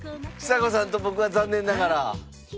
ちさ子さんと僕は残念ながら。